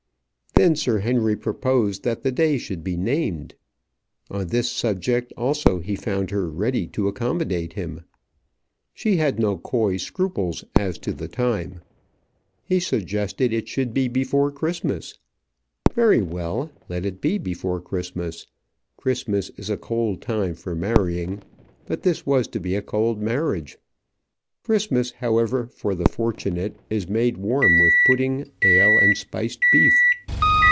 Then Sir Henry proposed that the day should be named. On this subject also he found her ready to accommodate him. She had no coy scruples as to the time. He suggested that it should be before Christmas. Very well; let it be before Christmas. Christmas is a cold time for marrying; but this was to be a cold marriage. Christmas, however, for the fortunate is made warm with pudding, ale, and spiced beef.